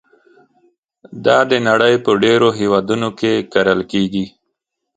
دا د نړۍ په ډېرو هېوادونو کې کرل کېږي.